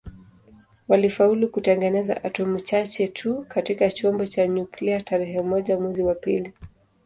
Walifaulu kutengeneza atomi chache tu katika chombo cha nyuklia tarehe moja mwezi wa pili